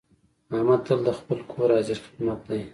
احمد تل د خپل کور حاضر خدمت دی.